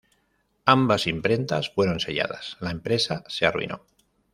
Ambas imprentas fueron selladas; la empresa se arruinó.